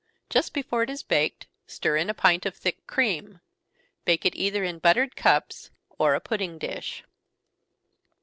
Just before it is baked, stir in a pint of thick cream. Bake it either in buttered cups or a pudding dish.